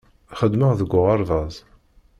Xeddmeɣ deg uɣerbaz.